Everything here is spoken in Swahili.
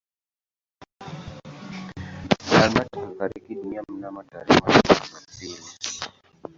Albert alifariki dunia mnamo tarehe moja mwezi wa pili